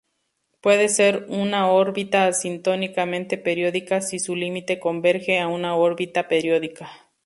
Puede ser una órbita asintóticamente periódica si su límite converge a una órbita periódica.